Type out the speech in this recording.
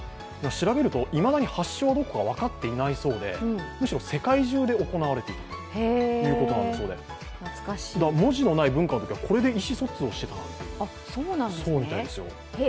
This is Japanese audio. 調べるといまだに発祥がどこか分かっていないそうでむしろ世界中で行われているということなんだそうで、文字のない文化のときはこれで意思疎通をしてたなんていう。